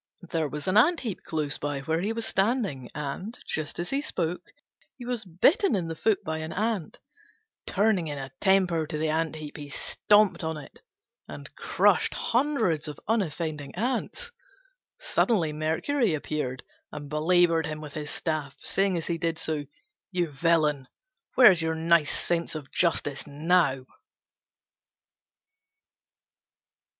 There was an ant heap close by where he was standing, and, just as he spoke, he was bitten in the foot by an Ant. Turning in a temper to the ant heap he stamped upon it and crushed hundreds of unoffending ants. Suddenly Mercury appeared, and belaboured him with his staff, saying as he did so, "You villain, where's your nice sense of justice now?"